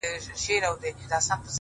خاموشه هڅه د راتلونکي بنسټ جوړوي’